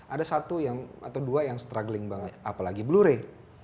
ada satu atau dua yang struggling banget apalagi blu ray